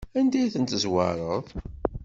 Anda ay ten-tezwareḍ?